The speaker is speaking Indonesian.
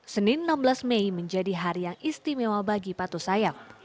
senin enam belas mei menjadi hari yang istimewa bagi patuh sayap